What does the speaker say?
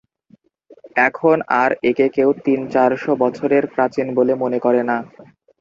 এখন আর একে কেউ তিন-চারশ বছরের প্রাচীন বলে মনে করে না।